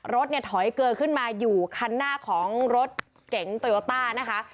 รถเนี่ยถอยเกอขึ้นมาอยู่คันหน้าของรถเก๋งโตโยต้านะคะ